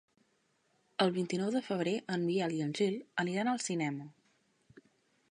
El vint-i-nou de febrer en Biel i en Gil aniran al cinema.